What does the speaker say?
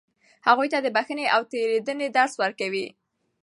هغوی ته د بښنې او تېرېدنې درس ورکړئ.